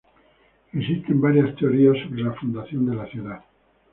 Existen varias teorías sobre la fundación de la ciudad.